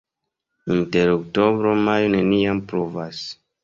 Inter oktobro-majo neniam pluvas.